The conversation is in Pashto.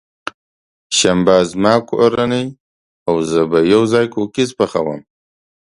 شنبه، زما کورنۍ او زه به یوځای کوکیز پخوم.